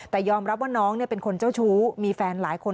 แต่ยอมรับว่าน้องเป็นคนเจ้าชู้มีแฟนหลายคน